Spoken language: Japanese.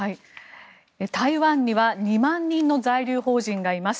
台湾には２万人の在留邦人がいます。